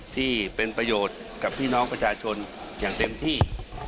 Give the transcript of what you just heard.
ที่เป็นประโยชน์กับพี่น้องประชาชนอย่างเต็มที่